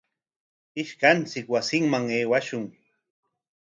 Ishkanchik wasiman aywashun.